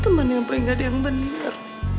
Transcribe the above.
temen yang paling gak ada yang bener